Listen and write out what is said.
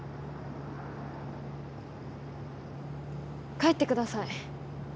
帰ってください。